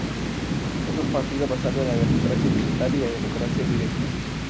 Es un partido basado en la democracia digital y la democracia directa.